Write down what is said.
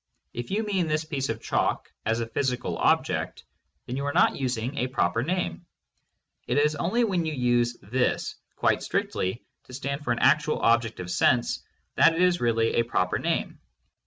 If you mean this piece THE PHILOSOPHY OF LOGICAL ATOMISM. 525 of chalk as a physical object, then you are not using a proper name. It is only when you use "this" quite strictly, to stand for an actual object of sense, that it is really a proper name.